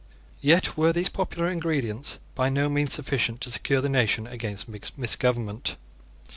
Yet were these popular ingredients by no means sufficient to secure the nation against misgovernment.